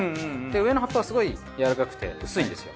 上の葉っぱはすごく柔らかくて薄いんですよ。